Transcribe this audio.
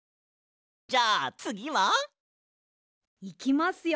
じゃあつぎは？いきますよ！